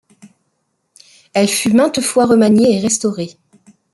Elle fut maintes fois remaniée et restaurée.